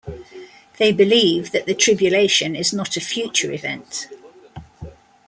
They believe that the tribulation is not a future event.